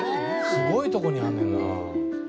すごいとこにあんねんな。